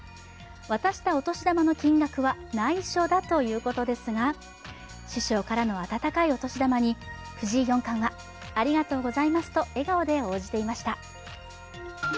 渡したお年玉の金額は内緒だということですが師匠からの温かいお年玉に藤井四冠はありがとうございますと笑顔で応じていました。